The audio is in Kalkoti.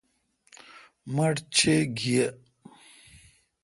مٹھ چے° گی یے°